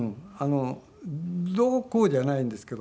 どうこうじゃないんですけど。